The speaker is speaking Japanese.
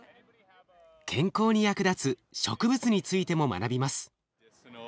健康に役立つ植物についても学びます。